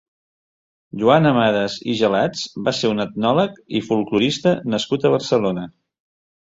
Joan Amades i Gelats va ser un etnòleg i folklorista nascut a Barcelona.